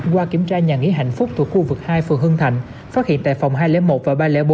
qua kiểm tra nhà nghỉ hạnh phúc thuộc khu vực hai phường hưng thạnh phát hiện tại phòng hai trăm linh một và ba trăm linh bốn